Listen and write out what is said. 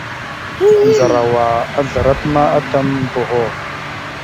Ndzarawa azlərat ma atam boho.